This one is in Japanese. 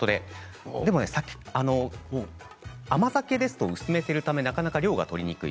ただ甘酒ですと薄めているためなかなか量がとりにくい。